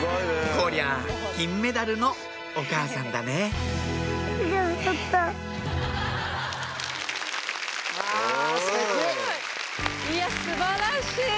こりゃあ金メダルのお母さんだねあぁすてき！いや素晴らしい！